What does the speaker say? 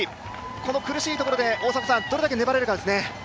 この苦しいところでどれだけ粘れるかですね。